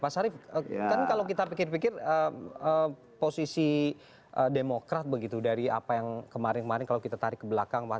pak sarif kan kalau kita pikir pikir posisi demokrat begitu dari apa yang kemarin kemarin kalau kita tarik ke belakang